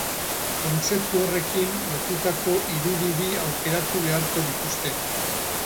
kontzeptu horrekin lotutako irudi bi aukeratu beharko dituzte.